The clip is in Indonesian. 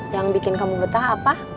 yang bikin kamu betah apa